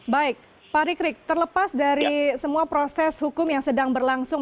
baik pak rikrik terlepas dari semua proses hukum yang sedang berlangsung